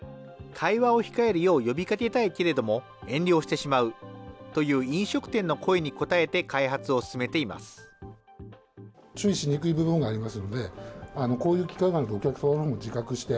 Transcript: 会話を控えるよう呼びかけたいけれども遠慮をしてしまうという飲食店の声に応えて開発を進めています。